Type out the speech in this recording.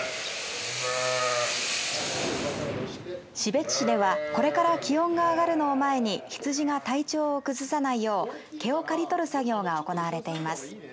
士別市ではこれから気温が上がるのを前に羊が体調を崩さないよう毛を刈り取る作業が行われています。